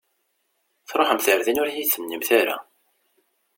Tṛuḥemt ɣer din ur iyi-d-tennimt ara!